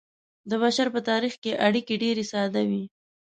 د بشر په تاریخ کې اړیکې ډیرې ساده وې.